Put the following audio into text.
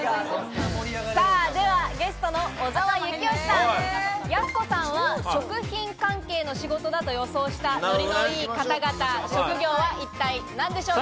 ではゲストの小澤征悦さん、やす子さんは食品関係の仕事だと予想した、ノリのいい方々、職業は一体何でしょうか？